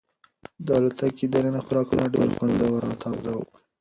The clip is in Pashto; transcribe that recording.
د الوتکې دننه خوراکونه ډېر خوندور او تازه وو.